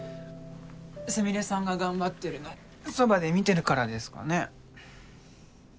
スミレさんが頑張ってるのそばで見てるからですかね